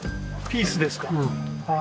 ピースですか？